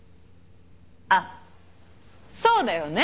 あっそうだよね。